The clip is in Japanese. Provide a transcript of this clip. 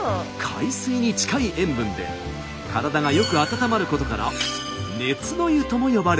海水に近い塩分で体がよく温まることから「熱の湯」とも呼ばれています。